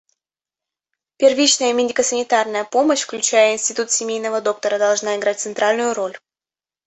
Первичная медико-санитарная помощь, включая институт семейного доктора, должна играть центральную роль.